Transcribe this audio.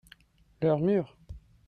leur mur.